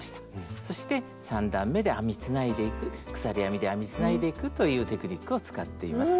そして３段めで編みつないでいく鎖編みで編みつないでいくというテクニックを使っています。